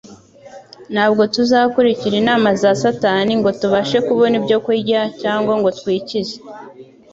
ntabwo tuzakurikira inama za Satani ngo tubashe kubona ibyo kurya cyangwa ngo twikize.